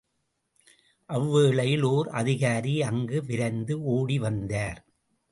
அவ்வேளையில் ஓர் அதிகாரி அங்கு விரைந்து ஓடிவந்தார்.